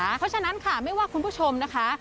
เพราะฉะนั้นค่ะไม่ว่าคุณผู้ชมนะคะ